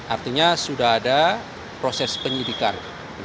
artinya sudah ada proses penyidikan